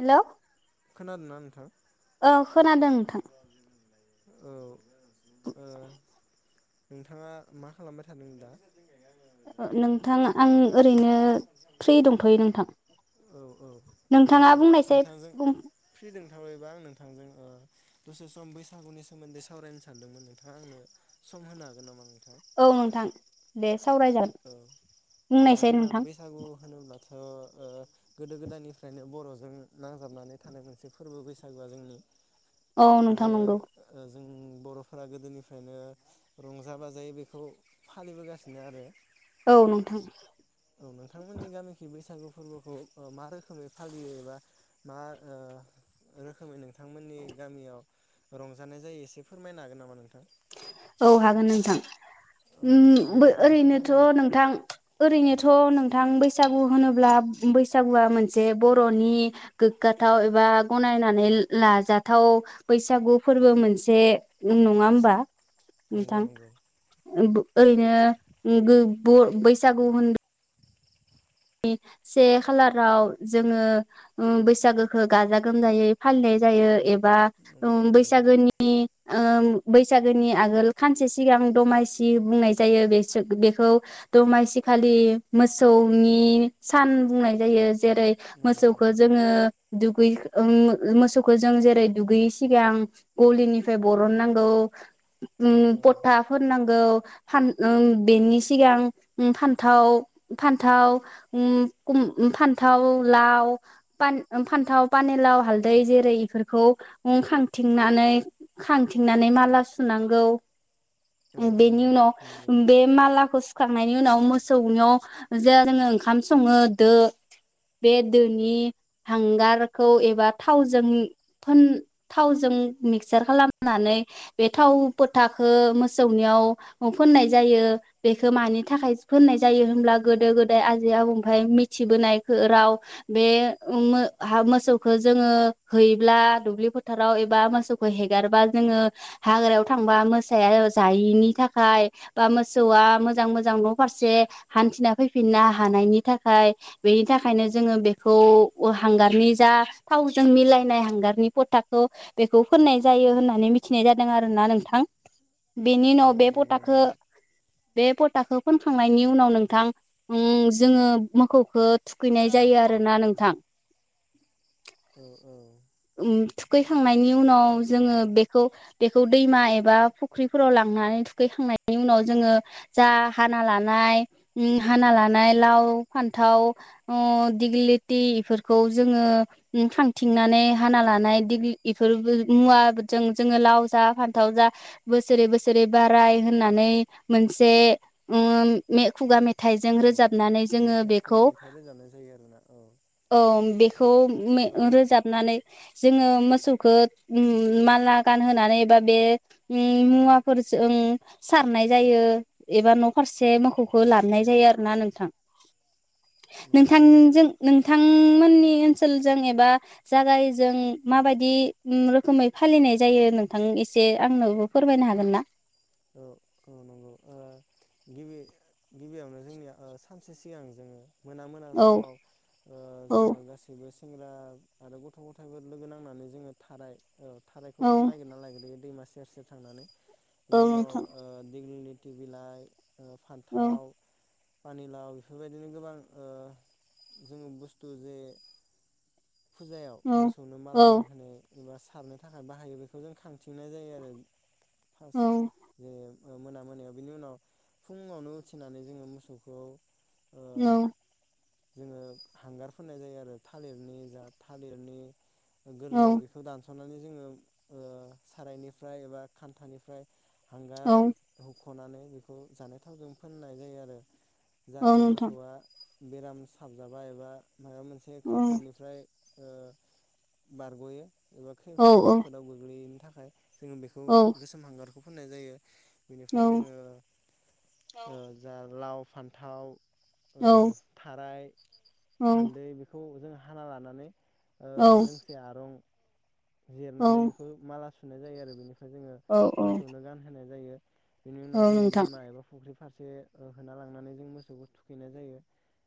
हेल'। खोनादों ना नोंथां? ओ खोनादों थां औ। ओ नोंथाङा मा खालामबाय थादों दा? नोंथां आं ओरैनो फ्रि दंथ'यो नोंथां औ औ नोंथाङा बुंनायसै बुं। थाबैबा आं नोंथांजों ओ दसे सम बैसागुनि सोमोन्दै सावरायनो सानदोंमोन नोंथाङा आंनो सम होनो हागोन नामा नोंथां? औ नोंथां दे। सावरायजागोन औ ओ बुंनायसाय जोंना नोंथां। बैसागु होनोब्लाथ' ओ गोदो गोदायनिफ्रायनो बर'जों नांजाबनानै थानाय मोनसे फोरबो बैसागुआ जोंनि औ नोंथां आरो नंगौ ओ जों बर'फोरा गोदोनिफ्रायनो रंजा बाजायै बेखौ फालिबोगासिनो आरो। औ नोंथां। औ नोंथांमोननि गामिखै बैसागु फोरबोखौ मा रोखोमै फालियोबा मा ओ रोखोमै थांमोननि गामि रंजानाय जायो एसे फोरमायनो हागोन नामा नोंथां? औ हागोन नोंथां। औ उम्म दे नोंथां एसे ओरैनोथ' फोरमायनाय नोंथां ओरैनोथ' नोंथां बैसा बैसागु होनोब्ला बैसागुआ मोनसे बर'नि गोग्गाथाव एबा गनायनानै लाजाथाव बैसागु फोरबो मोनसे नङा होमबा? नंगौ नोंथां नंगौ। [unintelligible] ओरैनो बो ब बैसागु होन से खालाराव जोङो ओ बैसागोखौ गाजा गोमजायै फालिनाय जायो ए बा नंगौ उम्म नंगौ बैसागोनि ओ बैसागोनि आगोल खानसे सिगां दमासि बुंनाय जायो बेसो बेखौ दमासिखालि मोसौ नि सान बुंनाय जायो। जेरै नंगौ मोसौखो नंगौ जोङो दुगै ओं मोसौखो जों जेरै दुगैयै सिगां गलिनिफ्राय बरन नांगौ। औ उम औ पता फोननां गौ फान उम बेनि सिगां उम फान्थाव फान थाव उम कुम फान्थाव लाव फान्थाव पान फान्थाव पानेलाव हालदै जेरै इफोरखौ ओ खांथिंनानै खांथिंनानै माला सुनांगौ। औ औ बेनि उनाव नंगौ। बे मालाखौ फुनखांनायनि उनाव मोसौनियाव जे जोङो ओंखाम सङो दो। बे दोनि हांगारखौ एबा थावजों फोन थावजों मिक्सार खालामनानै बे थाव फोथाखो मोसौनियाव फोननाय जायो। बेखो मानि थाखाय फोननाय जायो होनब्ला गोदो गोदाय आजै आबौनिफ्राय मिथिबोनाय खो राव बे मोसौखौ जोङो हैब्ला दुब्लि फोथाराव एबा मोसौखौ हेगारब्ला जोङो हाग्रायाव थांबा मोसाया जायिनि थाखाय बा मोसौआ मोजां मोजां न' फारसे हान्थिना फैफिननो हानायनि थाखाय बेनि थाखायनो जोङो बेखौ हांगारनि जा थावजों मिलायनाय हांगारनि फोथाखौ बेखौ फोननाय जायो होननानै मिथिनाय जादों आरोना नोंथां। बेनि औ उनाव बे नंगौ फथाखो नंगौ बे फथाखौ फोनखांनायनि उनाव नोंथां उम जोङो मोखौखो थुखैनाय औ जायो आरो ना नोंथां। औ औ। थुखै खांनायनि उनाव थार ओ जोङो बेखौ बे खौ दैमा एबा फुख्रिफोराव लांनानै थुखैखांनायनि उनाव जोङो जा हाना लानाय उम हाना लानाय लाव फान्थाव ओ दिग्लिलिति इफोरखौ जोङो उम खाथिंनानै हाना लानाय दिग्लि इफोरबो मुवाजों जोङो लाव जा फान्थाव जा बोसोरै बोसोरै बाराय होननानै मोनसे ओम मे खुगा मे थाइजों औ रोजाबनानै जोङो मेथाइ बेखौ खुगा मेथाइ रोजाबनाय जायो आरोना औ औं बे खौ मे औ नों रोजाबनानै जोङो मोसौखो उम माला गानहोनानै एबा बे उम मुवाफोरजों सारनाय जायो एबा न' फार से मोखौखो औ ला औ मोननाय जायो आरो ना नोंथां। नंगौ नोंथां नंगौ जों नोंथा नोंमोननि ओनसोलजों एबा जागायजों माबायदि उम रोखोमै फालिनाय जायो नोंथां एसे आंनोबो फोरमायनो हागोन ना? औ औ नंगौ ओ गिबि गिबियावनो ओ जोंनिया सानसे सिगां जोङो मोना मोना औ समाव ओ औ जोङो गासैबो सेंग्रा आरो गथ' गथायफोर लोगो नांनानै जोङो थाराय औ थारायखौ औ जों नागिरना लायग्रोयो दैमा सेर सेर थांनानै औ न आ नोंथां दगलि फथि बिलाइ औ फान्थाव पानिलाव बेफोरबायदिनो गोबां जोङो बुस्थु जे फुजायाव औ मोसौनो औ माला गानहो एबा सारनो थाखाय बाहायो बेखौ जों खांथिंनाय जायो आरो फार ज मोना मोनायाव बिनि उनाव फुंङावनो उथिनानै जोंङो मोसौखौ खौ औ जोंङो हांगार फोननाय जायो आरो थालिरनि जा थालिरनि औ गोरलै बेखौ दानस सथनानै जोंङो सारायनिफ्राय एबा खान्थानिफ्राय हांगार औ खनानै बेखौ जानाय थावजों फोननाय जायो आरो औ जाहाथे नोंथां मोसौआ बेराम साबजाबा एबा माबा मोनसे औ खैफोदनिफ्राय ओ बारगयो एबा औ औ खैफोदाव गोग्लैनो थाखाय जोंङो बेखौ औ गोसोम हांगारखौ फुननाय जायो बिनिफ्राय जोंङो ओ जा लाव फान्थाव ओ औ थाराय औ हालदै बेखौ जों हाना लानानै दोंसे आरं औ जिरनानै बेखौ माला सुनाय जायो आरो बेनि जोंङो औ मोसौनो गान होनाय जायो बेनि औ उनाव जोंङो नोंथां दैमा एबा फुख्रि फारसे ओ होना लांनानै जों मोसौखौ थुखैनाय जायो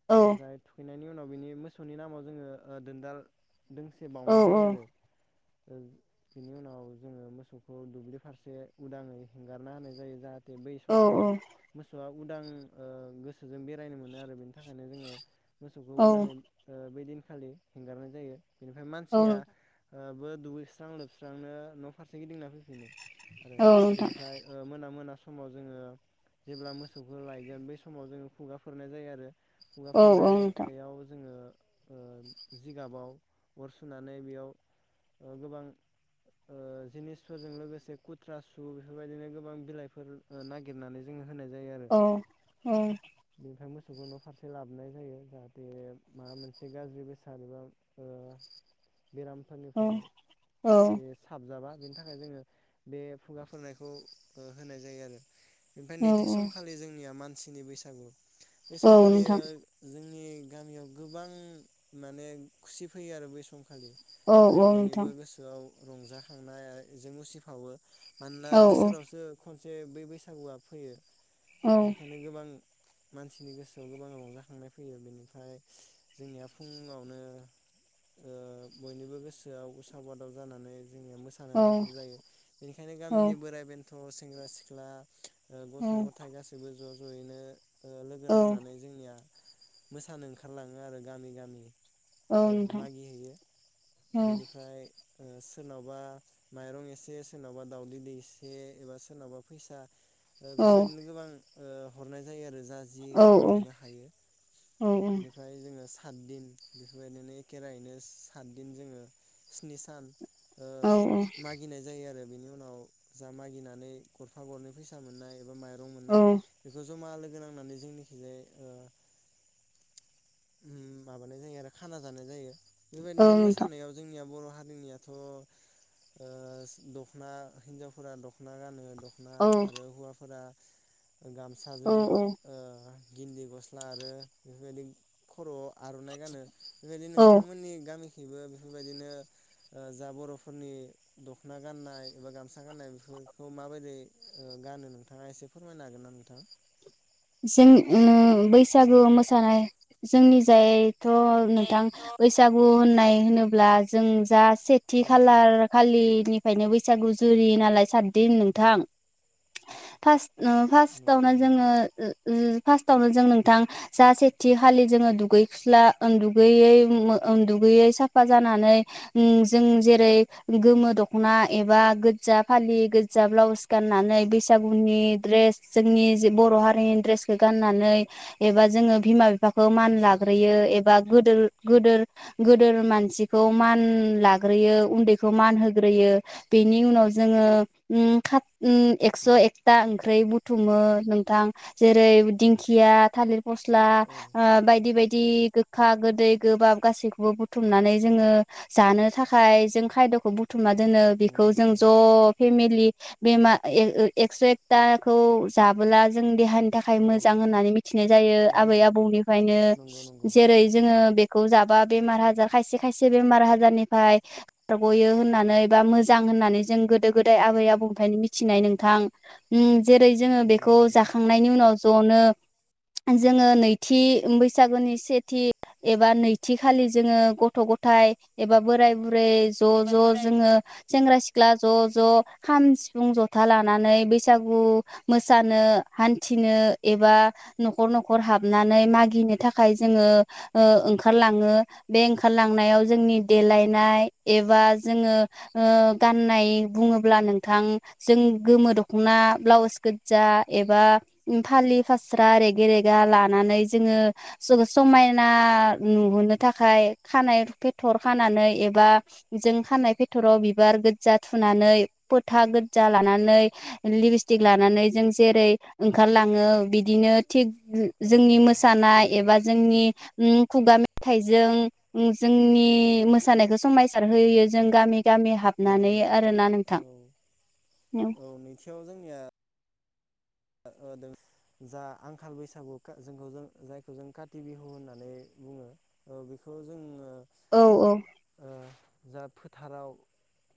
औ बेनिफ्राय थुखै खांनायनि उनाव बिनि मोसौनि नामाव जोंङो दोनदाल दोंसे औ बावनाय औ जायो आरो बिनि उनाव जोंङो मोसौखौ दुब्लि फारसे उदाङै हेंगारना होनाय जायो जाहाथे बै औ समखालि मोसौआ उदां ओ गोसोजों बेरायनो मोनो आरो बेनि थाखायनो जोङो मोसौखौ औ उदाङै ओ बैदिन खालि हेंगारनाय जायो बेनिफ्राय औ नोंथां औ मानसिया बो दुगैस्रां लोबस्रांनो न' फारसे गिदिंना फैफिनो। आरो बिनिफ्राय ओ मोना मोना समाव जोङो जेब्ला मोसौखौ लायगोन बै समाव जोङो खुगाफोरनाय जायो आरो औ नोंथां खुगाफोरनायाव जोङो ओ जिगाबाव अर सुनानै बेयाव ओ गोबां ओ जिनिसफोरजों लोगोसे खुथ्रा सु बेफोरबायदिनो गोबां बिलाइफोर ओ नागिरनानै जोङो होनाय जायो आरो औ औ। बेखौ न' फारसे लाबनाय जायो जाहाथे माबा मोनसे गाज्रि बेसाद एबा ओ बेरामफोरनिफ्राय औ जे साबजाबा बेनि थाखाय जोङो बे फुगाफोरनायखौ होनाय जायो आर नोंथां ओमफ्राय औ औ नैथि समखालि जोंनिया मान सिनि बैसागु। बे नोंथां औ सम खालिया नोंथां औ जों नि गामियाव गोबां माने खुसि फैयो आरो बै सम खालि माने बयनिबो गोसोआव रंजाखांनायाजों उसिफावो मानोना बोसोरावसो खनसे बै बैसागुआ फैयो बेनिखायनो गोबां मानसिनि गोसो आव गोबां रंजाखांनाय फैयो बेनिफ्राय जोंनिया फुङावनो ओ बयनिबो गोसोआव उसाव बादाव जानानै जोंनिया मोसानो हांखुर जायो बेनिखायनो गामिनि बोराइ बेन्थ' सेंग्रा सिख्ला ओह गथ' गथाय गासैबो ज' ज' यैनो ओ लागो औ नां नानै जोंनिया मोसानो ओंखारलाङो आरो गामि गामि। औ ओ नोंथां औ मागि हैैयो बेनिफ्राय ओ सोरनावबा माइरं एसे सोरनावबा दावदै दै एसे एबा सोरनावबा फैसा ओ बेफोरबायदिनो गोबां ओ हरनाय जायो आरो जा जि हरनो हायो बेनिफ्राय जोङो सातदिन बेफोरबायदिनो एखे रहैनो सातदिन जोङो स्नि सान मागिनाय जायो आरो बिनि उनाव जा मागिनानै गरफा गरनै फैसा मोननाय एबा द मोननाय बेखौ जमा लोगो नांनानै जोंनि ओ माबानाय जायो आरो खाना जानाय जायो बेबायदिनो मोसानायाव जोंनिया बर' हारिनियाथ' ओ दख'ना हिनजावफोरा दख'ना गानो दख'ना आरो हौवाफोना गामसाजों औ ओ गिन्दि गस्ला आरो बेफोरबायदि खर' आर'नाइ गानो बेबायदि औ औ नोंथांमोननि गामि गेबो बेफोरबायदिनो जा बर'फोरनि दख'ना गाननाय एबा गामसा गाननाय बेफोरखौ माबायदि गानो नोंथाङा एसे फोरमायनो हागोन ना नोंथां जों ओ जा बैसागु मोसानाय जोंनि जाय थ' नोंथां बैसागु होननाय होनोब्ला जों जा सेथि औ औ खालार खालि ओमफ्रायायनो बैसागु जुरि नालाय सातदिन नोंथां फार्स्ट नंगौ फार्स्टआवनो जोङो फार्स्टावनो जों नोंथां जा सेथि खालि जोङो दुगैसुस्ला दुगैयै उ दुगैयै साफा जानानै जों जेरै गोमो दख'ना एबा गोज्जा फालि गोजा ब्लाउस गाननानै बैसागुनि द्रेस जोंनि जे बर' हारि नि द्रेसखौ गाननानै एबा जोङो बिमा बिफा बिफाखौ नंगौ मान खसाब औ लाग्रोयो एबा गोदो गोदोर गोदोर मानसिखौ मान लाग्रोयो उन्दैखौ मान होग्रोयो बेनि उनाव जोङो ओम खा उ एकस' नंगौ। एकता ओंख्रै बुथुमो नोंथां जेरै दिंखिया थालिर औ फस्ला औ बायदि बायदि गोखा गोदै गोबाब गासैखौबो बुथुमनानै जोङो जानो थाखाय जों खायद'खौ बुथुमना दोनो बेखौ नंगौ जों नंगौ ज' फेमलि बेम एक्स्र एकाखौ जाबोला जों देहानि थाखाय औ मोजां होननानै मि थिनाय जायो आबै रायजो आबौनिफ्रायनो नंगौ नंगौ जेरै जोङो बे जाबा बेमार आजार खायसे खायसे बेमार आजारनिफ्राय बारगयो होननानै बा मोजां होननानै जों गोदो गोदाय आबै आबौनिफ्रायनो मिथिनाय नोंथां ओम जेरै जोङो नंगौ बेखौ नंगौ जाखा खांनायनि उनाव ज'नो जोङो नैथि बैसागुनि सेथि एबा नैथि खालि जोङो गथ गथाय एबा बोराय बु ओमफ्राय ज ज एबा बोराय जोङो सेंग्रा सिख ख्ला ज ज खाम सिफुं जथा लानानै बैसागु मोसानो हान्थिनो एबा नखर नखर हाबनानै मागिनो थाखाय जोङो ओंखारलाङो बे ओंखारलांनायाव जोंनि देलायनाय एबा जोंङो गाननाय बुङोब्ला नोंथां जों गोमो दखना ब्लाउस गोदजा एबा फालि फास्रा रेग रेगा लानानै जोंङो समायना नुहोनो थाखाय खानाय फेथर खानानै एबा जों खानाय फेथराव बिबार गोदजा थुनानै फोथा गोदजा लानानै लिपस्टिक लानानै जों जेरै ओंखारलाङो बिदिनो थिग औ जोंनि औ मोसानाय जोंनिया एबा जोंनि उम खुगा मेथाइजों जोंनि मोसानायखौ समायसार होयो जों गामि गामि नंगौ हाबनानै नंगौ आरोना औ नोंथां। [inaudible] औ नैथियाव जोंनिया जा आंखाल बैसागु जोंखौ जों जायखौ जों काति बिहु होननानै बुंङो बेखौ जोंङो औ औ ओ जा फोथाराव फो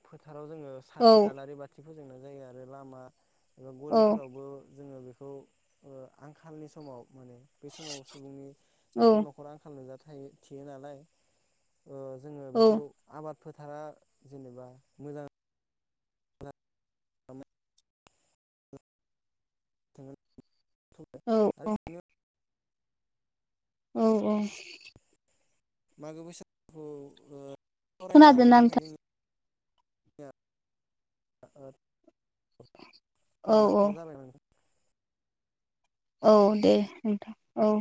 फोथाराव जोङो औ साथि आलारि बाथि फोजोंनाय जायो आरो लामा एबा औ गलिफोरावबो जोंङो बेखौ आंखालनि समाव मोनो बे समाव सुबुंनि औ नखर नखर आंखाल नुजा [inaudible] ओ जोंङो बेखौ औ आबाद फोथारा जेनेबा मोजां [inaudible] औ आरो औ बिदिनो औ औ मागो बैसागुखौ फरायना खोनादोंना हागौमोन नोंथां जों [inaudible] औ औ [inaudible] औ दे नोंथां औ।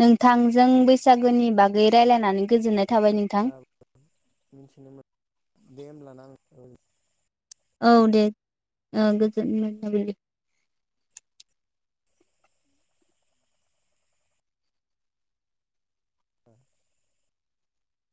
नोंथांजों बैसागोनि बागै रायलायनानै गोजोननाय थाबाय नोंथां मिथिनो मोन दे होम्लाना नों [inaudible] औ दे गोजोन मोननाय थाबाय दे।